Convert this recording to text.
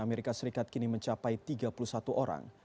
amerika serikat kini mencapai tiga puluh satu orang